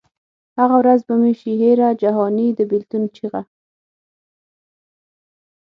هغه ورځ به مي سي هېره جهاني د بېلتون چیغه